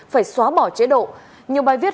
phải xóa bỏ chế độ nhiều bài viết